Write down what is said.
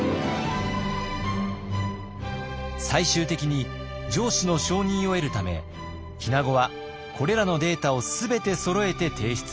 最終的に上司の承認を得るため日名子はこれらのデータを全てそろえて提出。